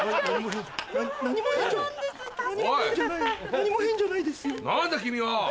何も変じゃないです。